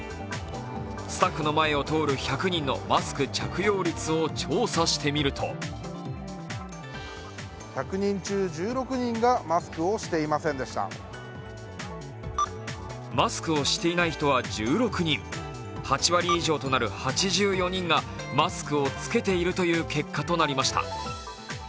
スタッフの前を通る１００人のマスク着用率を調査してみるとマスクをしていない人は１６人、８割以上となる８４人がマスクを着けているという結果になりました。